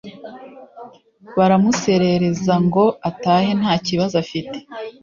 baramusezerera ngo atahe nta kibazo afite